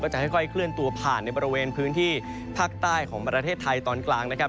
จะค่อยเคลื่อนตัวผ่านในบริเวณพื้นที่ภาคใต้ของประเทศไทยตอนกลางนะครับ